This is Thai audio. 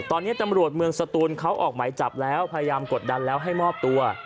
ตอนนี้ตำรวจเมืองสตูนเขาออกหมายจับแล้วพยายามกดดันแล้วให้มอบตัว